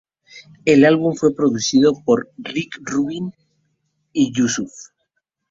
El álbum fue producido por Rick Rubin y Yusuf.